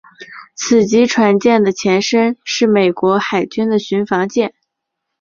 此级船舰的前身是美国海军的巡防舰。